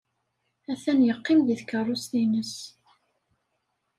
Atan yeqqim deg tkeṛṛust-nnes.